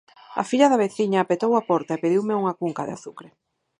A filla da veciña petou á porta e pediume unha cunca de azucre.